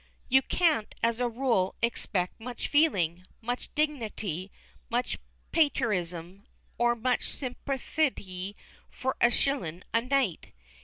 You can't, as a rule, expect much feeling, much dignerty, much patriertism, or much simperthy for a shillin' a night.